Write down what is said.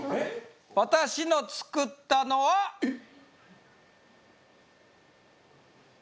私の作ったのはえっ？